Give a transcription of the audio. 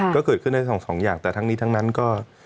ก็เกิดขึ้นได้สองอย่างแต่ทั้งนี้ทั้งนั้นก็